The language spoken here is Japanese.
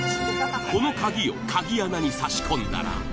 この鍵を鍵穴に差し込んだら。